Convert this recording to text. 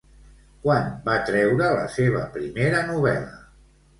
Quan va treure la seva primera novel·la?